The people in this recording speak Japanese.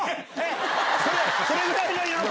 それぐらいの？